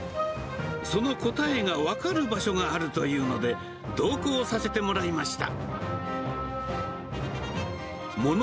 その答えが分かる場所があるというので、同行させてもらいました。